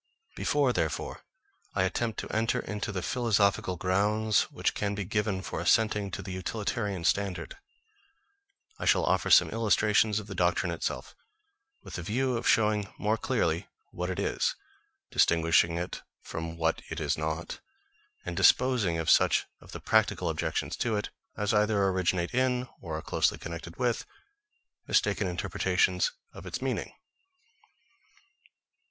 Before, therefore, I attempt to enter into the philosophical grounds which can be given for assenting to the utilitarian standard, I shall offer some illustrations of the doctrine itself; with the view of showing more clearly what it is, distinguishing it from what it is not, and disposing of such of the practical objections to it as either originate in, or are closely connected with, mistaken interpretations of its meaning.